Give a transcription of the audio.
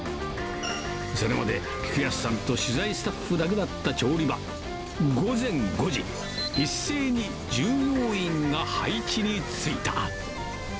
それまで菊安さんと取材スタッフだけだった調理場、午前５時、一斉に従業員が配置についた。